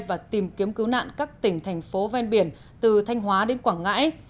và tìm kiếm cứu nạn các tỉnh thành phố ven biển từ thanh hóa đến quảng ngãi